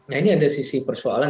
nah ini ada sisi persoalan